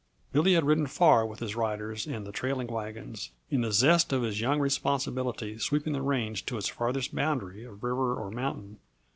Billy had ridden far with his riders and the trailing wagons, in the zest of his young responsibility sweeping the range to its farthest boundary of river or mountain.